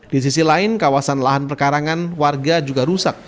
di sisi lain kawasan lahan perkarangan warga juga rusak